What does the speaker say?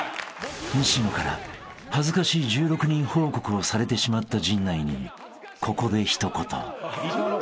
［西野から恥ずかしい１６人報告をされてしまった陣内にここで一言］